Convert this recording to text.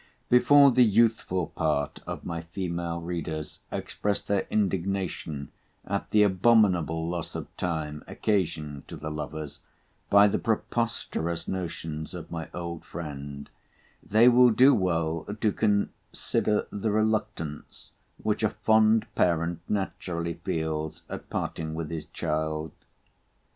Before the youthful part of my female readers express their indignation at the abominable loss of time occasioned to the lovers by the preposterous notions of my old friend, they will do well to consider the reluctance which a fond parent naturally feels at parting with his child.